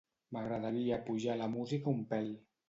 M'agradaria apujar la música un pèl.